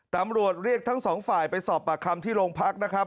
ตำรวจเรียกทั้งสองฝ่ายไปสอบปากคำที่โรงพักนะครับ